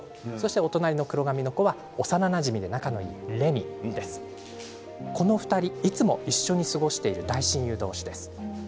お隣の黒髪の子が幼なじみで仲のいいレミこの２人いつも一緒に過ごしている大親友同士です。